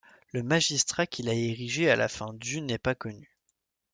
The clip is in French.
Le magistrat qui l'a érigé à la fin du n'est pas connu.